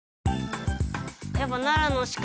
やっぱ「ならのしか」